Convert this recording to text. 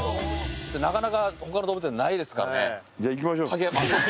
なかなか他の動物園ないですからね。